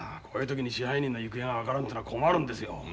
こういう時に支配人の行方が分からんというのは困るんですよ。